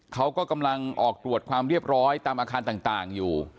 เขาก็กำลังออกตรวจความเรียบร้อยตามอาคารต่างอยู่